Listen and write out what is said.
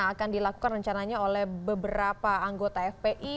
yang akan dilakukan rencananya oleh beberapa anggota fpi